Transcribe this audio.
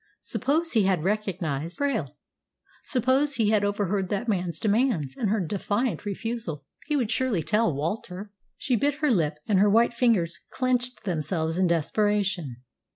Suppose he had recognised Krail! Suppose he had overheard that man's demands, and her defiant refusal, he would surely tell Walter! She bit her lip, and her white fingers clenched themselves in desperation.